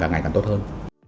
ngày càng tốt hơn